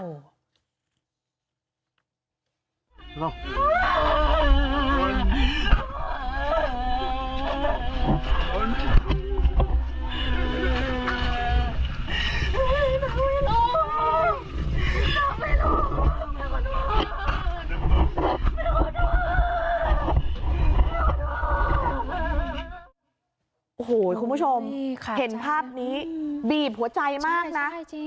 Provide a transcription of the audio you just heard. โอ้โหคุณผู้ชมเห็นภาพนี้บีบหัวใจมากนะ